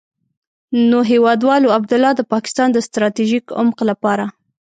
نو هېوادوالو، عبدالله د پاکستان د ستراتيژيک عمق لپاره.